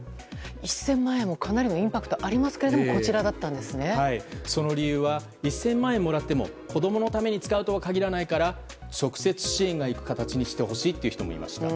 １０００万円もかなりのインパクトありますがその理由は１０００万円もらっても子供のために使うとは限らないから直接支援がいく形にしてほしいという人もいました。